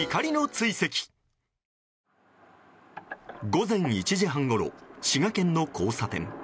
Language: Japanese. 午前１時半ごろ滋賀県の交差点。